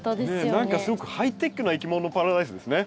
何かすごくハイテクないきものパラダイスですね。